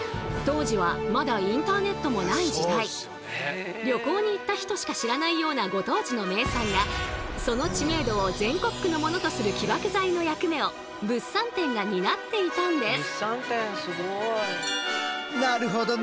当時はまだ旅行に行った人しか知らないようなご当地の名産がその知名度を全国区のものとする起爆剤の役目を物産展が担っていたんです。